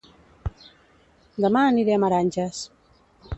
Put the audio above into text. Dema aniré a Meranges